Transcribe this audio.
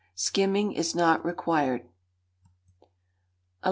Skimming is not required. 1135.